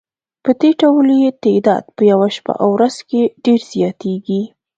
پدې ډول یې تعداد په یوه شپه او ورځ کې ډېر زیاتیږي.